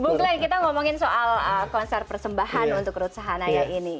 bung glenn kita ngomongin soal konser persembahan untuk ruth sahanaya ini